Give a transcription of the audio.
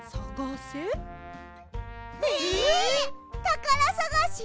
たからさがし？